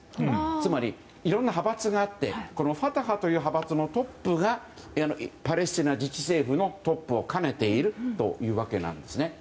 つまり、いろんな派閥があってファタハという派閥のトップがパレスチナ自治政府のトップを兼ねているわけですね。